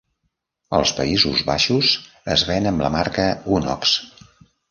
Als Països Baixos, es ven amb la marca Unox.